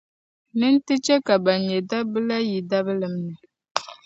ni n ti chɛ ka bɛn nyɛ daba la yi dabilim ni.